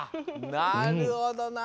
なるほどな！